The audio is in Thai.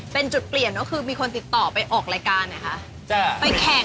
เป็นจุดเปลี่ยนก็คือมีคนติดต่อไปออกรายการนะคะ